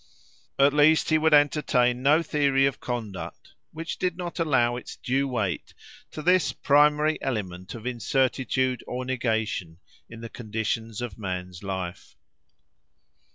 At least he would entertain no theory of conduct which did not allow its due weight to this primary element of incertitude or negation, in the conditions of man's life.